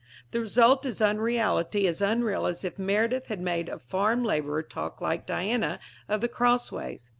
The result is unreality as unreal as if Meredith had made a farm labourer talk like Diana of the Crossways.